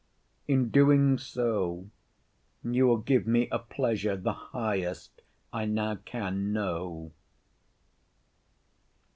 In doing so, you will give me a pleasure the highest I now can know.